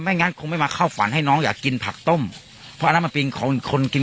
งั้นคงไม่มาเข้าฝันให้น้องอยากกินผักต้มเพราะอันนั้นมันเป็นของคนกิน